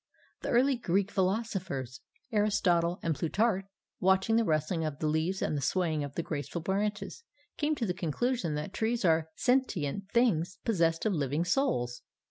The early Greek philosophers, Aristotle and Plutarch, watching the rustling of the leaves and the swaying of the graceful branches, came to the conclusion that trees are sentient things possessed of living souls.